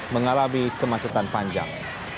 mengalami kemacetan panjang